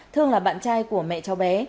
thương là bạn trai của mẹ cháu bé